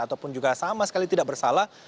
ataupun juga sama sekali tidak bersalah